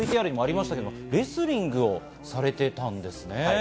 ＶＴＲにもあったように、レスリングをされていたんですね。